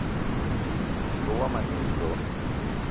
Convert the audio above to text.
Minenga womo a ne e do.